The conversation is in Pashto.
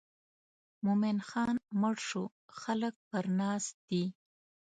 مومن خان مړ شو خلک پر ناست دي.